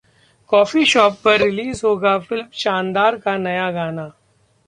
coffee shop पर release होगा film 'Shaandaar' का नया गाना